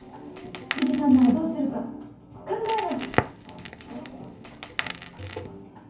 藤さんならどうするか考えろ！